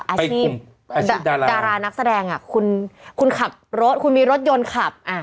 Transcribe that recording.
อาชีพดารานักแสดงคุณมีรถยนต์ขับ